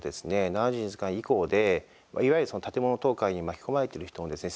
７２時間以降でいわゆる建物倒壊に巻き込まれてる人のですね